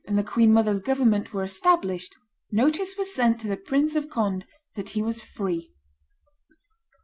and the queen mother's government were established, notice was sent to the Prince of Conde that he was free.